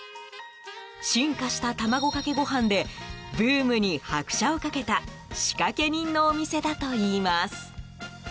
進化した卵かけご飯でブームに拍車をかけた仕掛け人のお店だといいます。